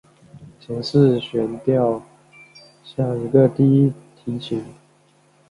前四弦调像一个低提琴。